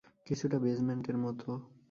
কিছুটা বেজমেন্টের মতো।